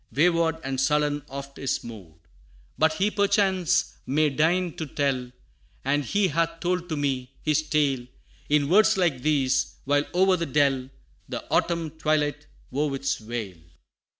Wayward and sullen oft his mood; But he perchance may deign to tell, As he hath told to me, his tale, In words like these, while o'er the dell, The autumn twilight wove its veil.